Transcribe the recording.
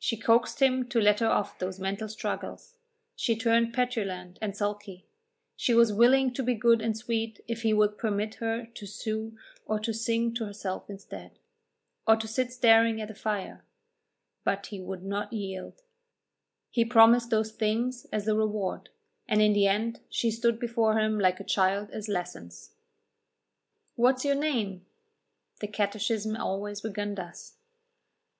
She coaxed him to let her off those mental struggles; she turned petulant and sulky; she was willing to be good and sweet if he would permit her to sew or to sing to herself instead, or to sit staring at the fire: but he would not yield; he promised those things as the reward, and in the end she stood before him like a child at lessons. "What is your name?" The catechism always began thus.